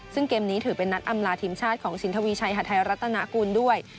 ซึ่งเกมนี้ถือเป็นนัดอำลาทีมชาติของสินทวีชัยหาดไทยรัฐนากุลด้วย